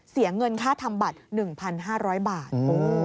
เสียเงินค่าทำบัตร๑๕๐๐บาท